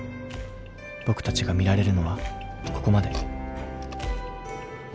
僕たちが見られるのはここまで。